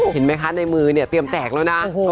เห็นไหมคะในมือเนี่ยเตรียมแจกแล้วนะ